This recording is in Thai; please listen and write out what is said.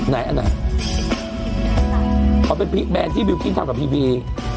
ไหนอ่ะไหนเขาเป็นแบรนด์ที่บิลกิ้นทำกับพีบี